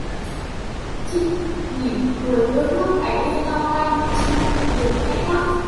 Trinh mỉm cười đôi mắt ánh lên long lanh Trinh liền khẽ đáp